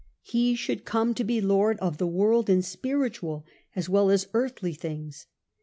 He should come to be Lord of the world in spiritual as well as earthly things.